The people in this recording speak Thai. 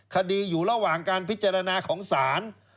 คดีอยู่ระหว่างการพิจารณาของศาล